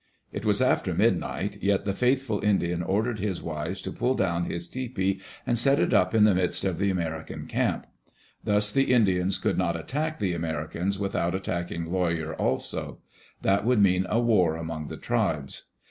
It was after midnight, yet the faithful Indian ordered his wives to pull down his tepee and set it up in the midst of the American camp. Thus the Indians could not attack the Americans without attacking Lawyer also; that would mean a war among the tribes.